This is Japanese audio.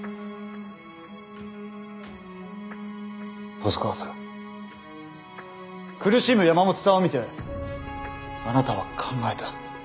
細川さん苦しむ山本さんを見てあなたは考えた。